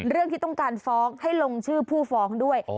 เรื่องที่ต้องการฟ้องให้ลงชื่อผู้ฟ้องด้วย